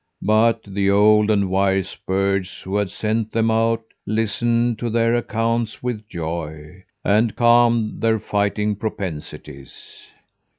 "But the old and wise birds who had sent them out, listened to their accounts with joy, and calmed their fighting propensities.